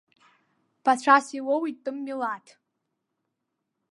Ԥацәас илоуит тәым милаҭ.